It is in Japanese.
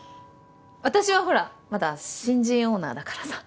私はほらまだ新人オーナーだからさ。